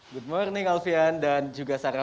good morning alfian dan juga sarah